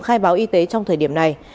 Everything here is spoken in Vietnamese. khai báo y tế trong thời điểm này